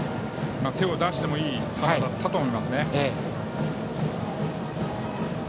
手を出してもいい球だったと思いますね。